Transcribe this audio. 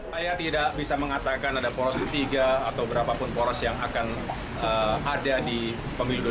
saya tidak bisa mengatakan ada poros ketiga atau berapapun poros yang akan ada di pemilu dua ribu sembilan belas